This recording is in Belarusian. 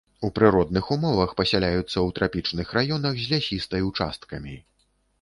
У прыродных умовах пасяляюцца ў трапічных раёнах з лясістай ўчасткамі.